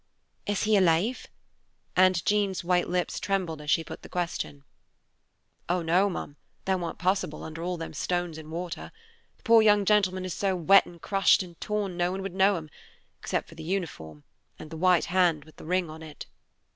"Is he alive?" And Jean's white lips trembled as she put the question. "Oh no, ma'am, that warn't possible, under all them stones and water. The poor young gentleman is so wet, and crushed, and torn, no one would know him, except for the uniform, and the white hand with the ring on it."